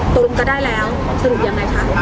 ตุลก็ได้แล้วสรุปยังไงคะ